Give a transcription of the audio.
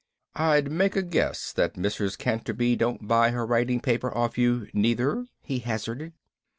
"I'd make a guess that Mrs. Canterby don't buy her writing paper off you neither?" he hazarded.